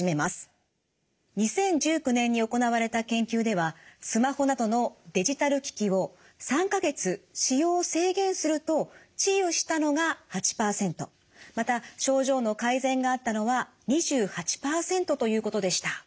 ２０１９年に行われた研究ではスマホなどのデジタル機器を３か月使用を制限すると治癒したのが８％また症状の改善があったのは２８％ということでした。